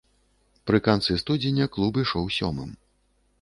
Пры канцы студзеня клуб ішоў сёмым.